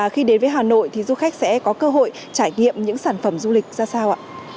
khi đến với hà nội thì du khách sẽ có cơ hội trải nghiệm những sản phẩm du lịch ra sao ạ